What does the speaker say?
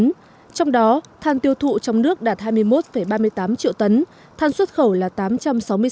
trong đó than tiêu thụ trong nước đạt hai mươi một ba mươi tám triệu tấn than xuất khẩu là tám trăm sáu mươi tám